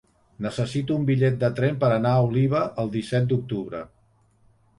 Necessito un bitllet de tren per anar a Oliva el disset d'octubre.